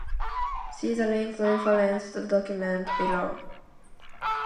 See the linked referenced document below.